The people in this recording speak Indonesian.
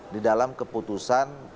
di dalam keputusan